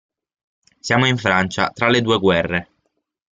Siamo in Francia, tra le due guerre.